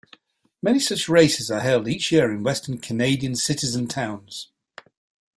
Many such races are held each year in Western Canadian cities and towns.